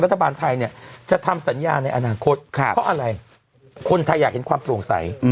รัฐบาลไทยเนี่ยจะทำสัญญาในอนาคตเพราะอะไรคนไทยอยากเห็นความโปร่งใส